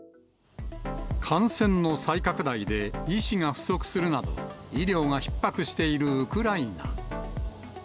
感染の再拡大で、医師が不足するなど、医療がひっ迫しているウクライナ。